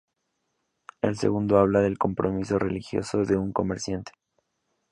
El segundo habla del compromiso religioso de un comerciante.